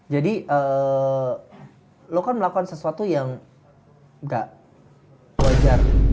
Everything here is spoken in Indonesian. jadi lo kan melakukan sesuatu yang gak wajar